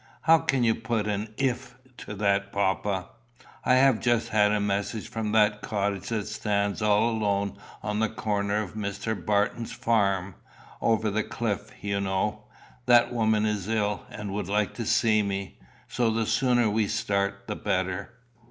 "How can you put an if to that, papa?" "I have just had a message from that cottage that stands all alone on the corner of Mr. Barton's farm over the cliff, you know that the woman is ill, and would like to see me. So the sooner we start the better."